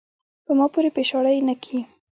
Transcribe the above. پۀ ما پورې پیشاړې نۀ کے ،